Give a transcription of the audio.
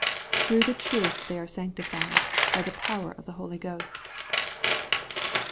Through the truth they are sanctified, by the power of the Holy Ghost.